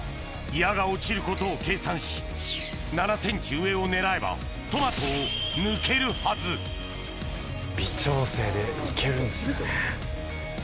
矢が落ちることを計算し７ｃｍ上を狙えばトマトを抜けるはず微調整で行けるんすかね。